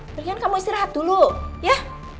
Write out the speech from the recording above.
pergian kamu istirahat dulu ya